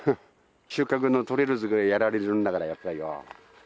収穫の取れる時期にやられるんだから、やっぱりよ。